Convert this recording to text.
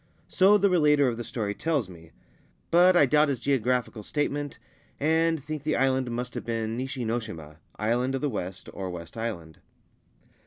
So the relater of the story tells me ; but I doubt his geographical statement, and think the island must have been Nishi no shima (Island of the West, or West Island x).